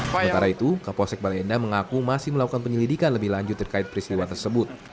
sementara itu kapolsek bale endah mengaku masih melakukan penyelidikan lebih lanjut terkait peristiwa tersebut